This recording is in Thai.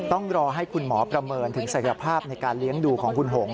ต้องรอให้คุณหมอประเมินถึงศักยภาพในการเลี้ยงดูของคุณหง